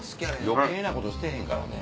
余計なことしてへんからね。